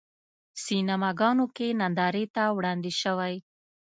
سینماګانو کې نندارې ته وړاندې شوی.